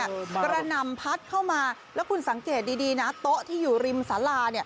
กระหน่ำพัดเข้ามาแล้วคุณสังเกตดีนะโต๊ะที่อยู่ริมสารา